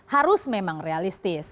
harus memang realistis